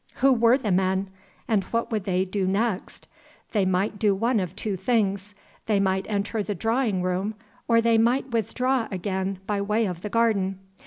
Who were the men? and what would they do next? They might do one of two things: they might enter the drawing room, or they might withdraw again by way of the garden.